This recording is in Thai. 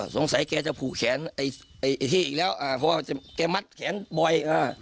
สงสัยแกจะผูกแขนไอไอไอไอขี้อีกแล้วเพราะว่าแกมัดแขนบ่อย